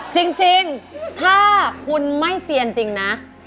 จริงถ้าคุณไม่เซียนจริงนะ